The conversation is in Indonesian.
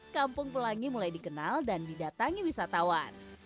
kampung pelangi mulai dikenal dan didatangi wisatawan